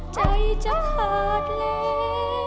ใจจะขาดแล้ว